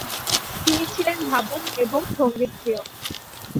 তিনি ছিলেন ভাবুক এবং সঙ্গীতপ্রিয়।